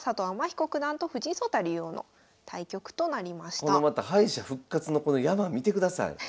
このまた敗者復活のこの山見てください。